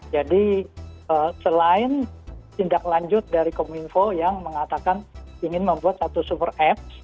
jadi selain tindak lanjut dari kominfo yang mengatakan ingin membuat satu super app